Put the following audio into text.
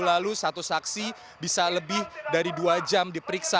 lalu satu saksi bisa lebih dari dua jam diperiksa